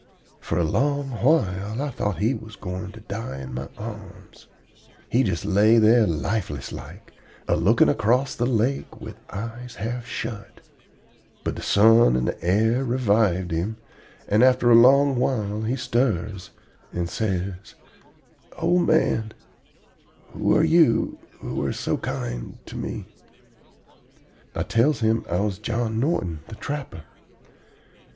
"For a long while I thought he was going to die in my arms. He just lay there lifeless like, a looking across the lake with eyes half shut. But the sun and air revived him; and after a long while he stirs and says: "'Old man, who are you who are so kind to me?' "I tells him I was John Norton, the trapper.